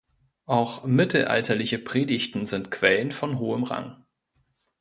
Auch mittelalterliche Predigten sind Quellen von hohem Rang.